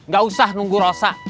gak usah nunggu rosa